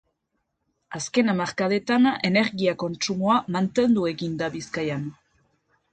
Azken hamarkadetan energia-kontsumoa mantendu egin da Bizkaian.